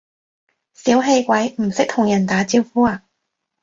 小氣鬼，唔識同人打招呼呀？